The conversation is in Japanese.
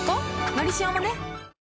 「のりしお」もね